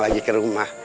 lagi ke rumah